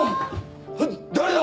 誰だ？